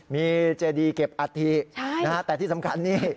มีเจดีเก็บอัฐิแต่ที่สำคัญนี่